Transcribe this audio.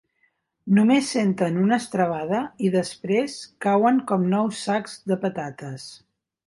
Només senten una estrebada i després cauen com nou sacs de patates.